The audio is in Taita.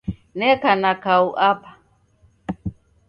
Neka na kau Apa.